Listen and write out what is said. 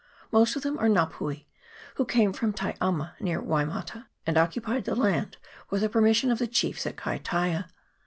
Most of them are Nga pui, who came from Tai ama near Waimata, and occupied the land with the permission of the chiefs at Kai taia.